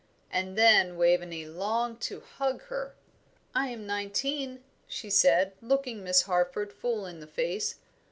And then Waveney longed to hug her. "I am nineteen," she said, looking Miss Harford full in the face.